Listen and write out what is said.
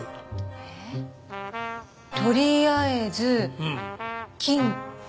えっとりあえず金庫？